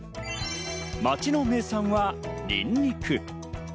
町の名産はニンニク。